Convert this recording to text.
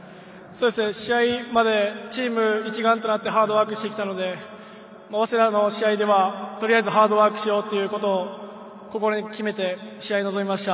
試合までチーム一丸となってハードワークしてきたので早稲田との試合ではとりあえずハードワークしようと心に決めて試合に臨みました。